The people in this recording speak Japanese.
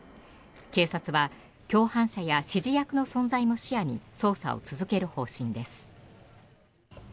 警察は共犯者や指示役の存在も視野に捜査を続ける方針です。